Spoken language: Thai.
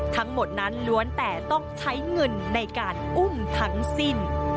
ทั้งหมดนั้นล้วนแต่ต้องใช้เงินในการอุ้มทั้งสิ้น